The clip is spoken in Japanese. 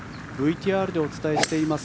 ＶＴＲでお伝えしています。